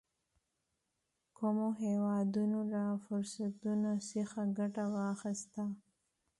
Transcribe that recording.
کومو هېوادونو له فرصتونو څخه ګټه واخیسته.